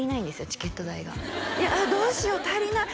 チケット代がいやどうしよう足りない